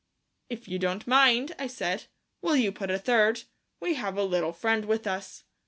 "If you don't mind," I said, "will you put a third; we have a little friend with us."